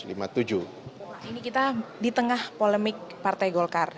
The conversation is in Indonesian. ini kita di tengah polemik partai golkar